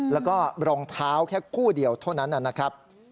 แล้วก็รองเท้าแค่คู่เดียวเท่านั้นนะครับ